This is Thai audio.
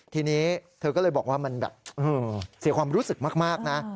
ทีนี้เธอก็เลยบอกว่ามันแบบเสียความรู้สึกมากนะ